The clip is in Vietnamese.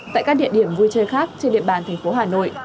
tại các địa điểm vui chơi khác trên địa bàn thành phố hà nội